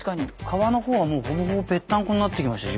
革の方はもうほぼほぼぺったんこになってきました